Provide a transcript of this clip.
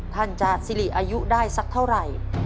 ท่านจะสิริอายุได้สักเท่าไหร่